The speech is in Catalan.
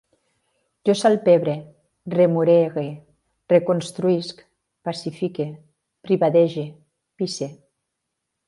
Jo salpebre, remorege, reconstruïsc, pacifique, privadege, pise